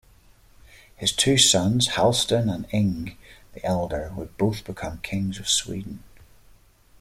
His two sons Halsten and Inge the Elder would both become kings of Sweden.